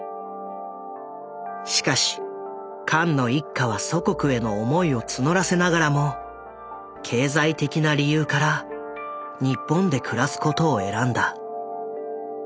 しかしカンの一家は祖国への思いを募らせながらも経済的な理由から日本で暮らすことを選んだ。